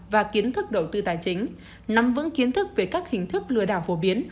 và kiến thức đầu tư tài chính nắm vững kiến thức về các hình thức lừa đảo phổ biến